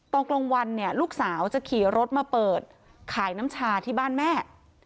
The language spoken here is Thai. ตอนกลางวันเนี่ยลูกสาวจะขี่รถมาเปิดขายน้ำชาที่บ้านแม่